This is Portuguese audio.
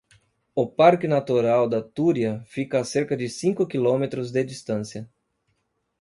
O Parque Natural da Túria fica a cerca de cinco quilómetros de distância.